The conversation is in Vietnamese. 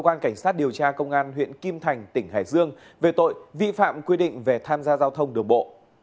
cơ quan cảnh sát điều tra công an huyện kim thành tỉnh hải dương về tội vi phạm quy định về tham gia giao thông đường bộ